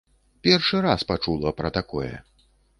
Першы раз пачула пра такое.